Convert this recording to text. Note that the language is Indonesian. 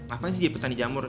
apa sih jadi petani jamur